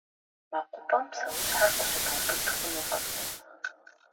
МэкъупӀэхэм псэущхьэхэр къыщыбубыд хъунукъым.